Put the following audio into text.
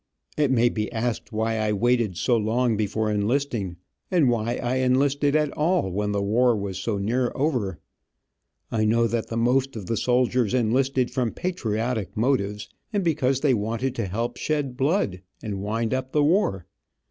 It may be asked why I waited so long before enlisting, and why I enlisted at all, when the war was so near over. I know that the most of the soldiers enlisted from patriotic motives, and because they wanted to help shed blood, and wind up the war.